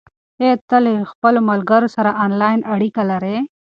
آیا ته له خپلو ملګرو سره آنلاین اړیکه لرې؟